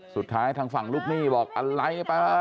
สุดท้ายทางฝั่งลูกหนี้บอกอะไร